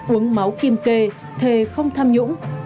uống máu kim kê thề không tham nhũng